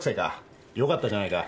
よかったじゃないか。